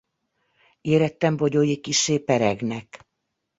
Éretten bogyói kissé peregnek.